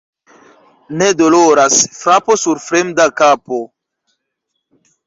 Ne doloras frapo sur fremda kapo.